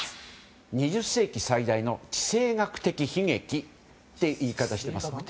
２０世紀最大の地政学的悲劇という言い方をしています。